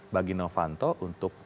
bagi novanto untuk